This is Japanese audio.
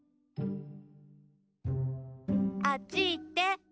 あっちいって！